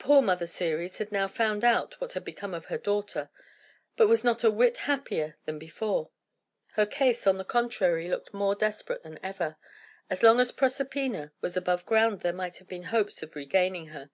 Poor Mother Ceres had now found out what had become of her daughter, but was not a whit happier than before. Her case, on the contrary, looked more desperate than ever. As long as Proserpina was above ground there might have been hopes of regaining her.